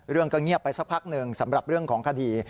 เรื่องก็เงียบไปสักพักหนึ่งสำหรับเรื่องของคดี